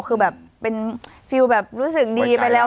คือแบบเป็นฟิลแบบรู้สึกดีไปแล้ว